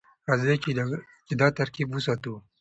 راځئ چې دا ترکیب وساتو.